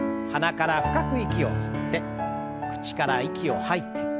鼻から深く息を吸って口から息を吐いて。